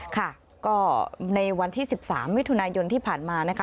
ค่ะก็ในวันที่๑๓มิถุนายนที่ผ่านมานะคะ